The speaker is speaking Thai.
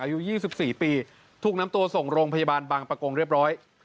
อายุ๒๔ปีถูกนำตัวส่งโรงพยาบาลบางประกงเรียบร้อย